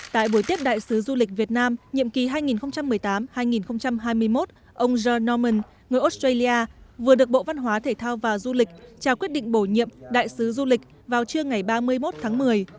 tại buổi tiếp đại sứ du lịch việt nam nhiệm kỳ hai nghìn một mươi tám hai nghìn hai mươi một ông john norman người australia vừa được bộ văn hóa thể thao và du lịch trao quyết định bổ nhiệm đại sứ du lịch vào trưa ngày ba mươi một tháng một mươi